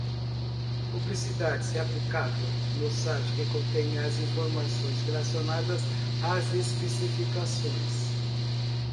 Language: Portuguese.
Publicidade: se aplicável, no site que contém as informações relacionadas às especificações.